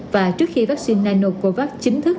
và trước khi vaccine nanocovax chính thức được đưa vào thử nghiệm